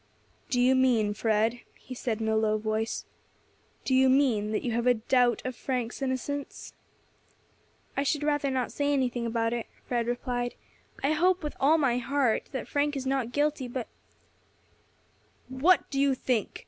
"Do you mean, Fred," he said, in a low voice, "do you mean that you have a doubt of Frank's innocence?" "I should rather not say anything about it," Fred replied. "I hope with all my heart that Frank is not guilty, but " "What do you think?"